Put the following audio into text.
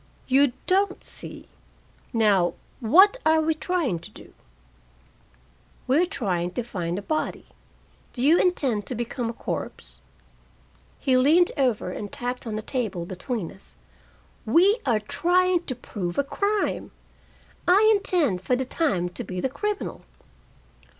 "You don't see. Now, what are we trying to do?" "We're trying to find a body. Do you intend to become a corpse?" He leaned over and tapped on the table between us. "We are trying to prove a crime. I intend for the time to be the criminal."